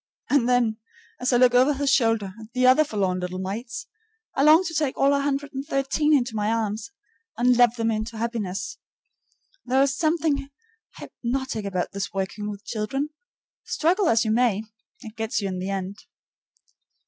And then, as I look over his shoulder at the other forlorn little mites, I long to take all 113 into my arms and love them into happiness. There is something hypnotic about this working with children. Struggle as you may, it gets you in the end.